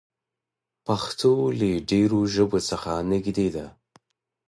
پښتو له ډېرو ژبو څخه نږدې ده.